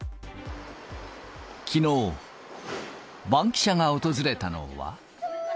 きのう、バンキシャが訪れたのは。